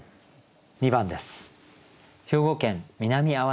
２番です。